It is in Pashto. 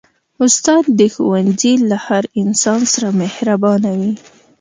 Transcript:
استاد د ښوونځي له هر انسان سره مهربانه وي.